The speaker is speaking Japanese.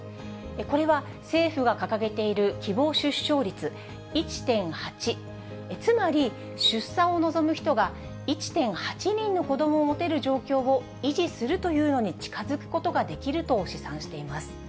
これは、政府が掲げている希望出生率１．８、つまり出産を望む人が１．８人の子どもを持てる状況を維持するというのに近づくことができると試算しています。